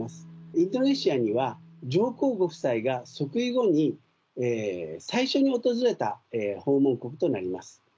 インドネシアには上皇ご夫妻が即位後に最初に訪れた訪問国となります。